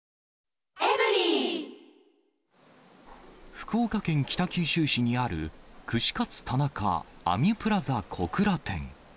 福岡県北九州市にある、串カツ田中アミュプラザ小倉店。